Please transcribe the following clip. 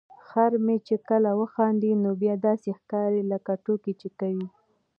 خر مې چې کله وخاندي نو بیا داسې ښکاري لکه ټوکې چې کوي.